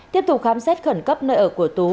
tiếp tục khám xét khẩn cấp nơi ở của tú